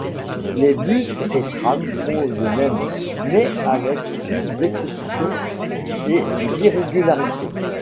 Les bus et trams font de même mais avec plus d'exception et d'irrégularité.